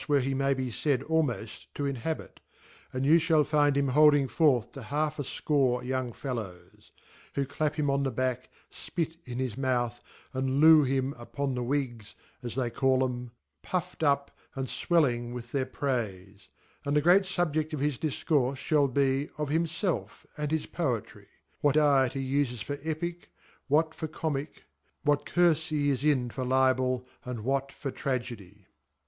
jvher* be may be faid almoft to inhabit) and you (hall fad' him hold* ing forth to half afcore young fellows ,' (who clap him en eh* }ack, fpitin his mouth, and loo him on upon the Whiggs, as they call 'em) .puft up j and fuelling with their prat fe : and the great Suhjcft of his Difcourfe fhall be of bhnjelf and his Poetry ; WjwtViet he ufesfor Epick>wh*t for Comiek ; what ccurfe he is in for LibeJ, aftd What for Tragedy.